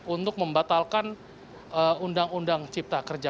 untuk membatalkan undang undang cipta kerja